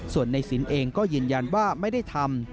ส่วนในสินเองก็ยืนยันว่าไม่ได้ทำ